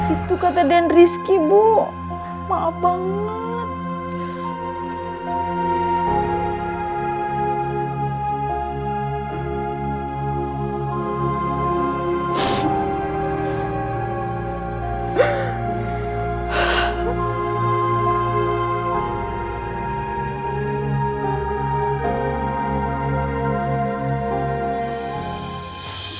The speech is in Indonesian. itu kata den rizky bu maaf banget